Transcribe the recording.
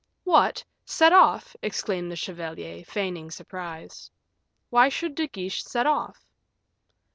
"What! set off!" exclaimed the chevalier, feigning surprise; "why should De Guiche set off?"